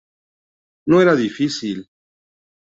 No era difícil.